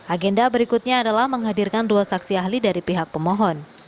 agenda berikutnya adalah menghadirkan dua saksi ahli dari pihak pemohon